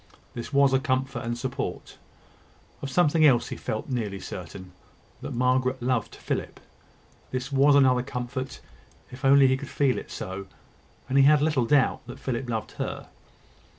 This was a comfort and support. Of something else he felt nearly certain that Margaret loved Philip. This was another comfort, if he could only feel it so; and he had little doubt that Philip loved her.